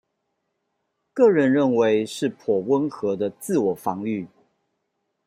個人認為是頗溫和的自我防禦